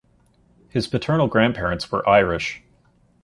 His paternal grandparents were Irish.